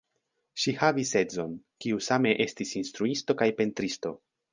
Ŝi havis edzon, kiu same estis instruisto kaj pentristo.